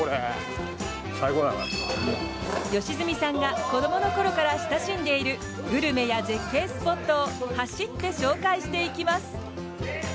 良純さんが子どもの頃から親しんでいるグルメや絶景スポットを走って紹介していきます！